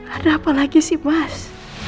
ada apa lagi sih mas